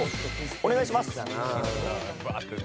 お願いします！